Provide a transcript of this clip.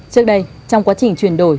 trước đây trong quá trình truyền đổi